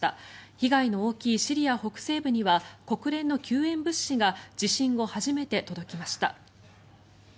被害の大きいシリア北西部には国連の救援物資が地震後初めて届きました。